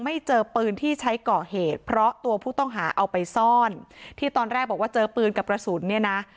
เมื่อนบ้างก็ยืนยันว่ามันเป็นแบบนั้นจริง